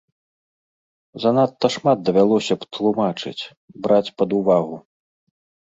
Занадта шмат давялося б тлумачыць, браць пад увагу.